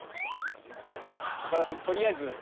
岡田さん取りあえず。